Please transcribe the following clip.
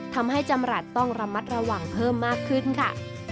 ทำให้จำรัฐต้องระมัดระวังเพิ่มมากขึ้นค่ะ